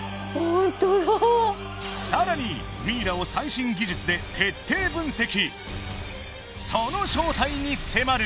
さらにミイラを最新技術で徹底分析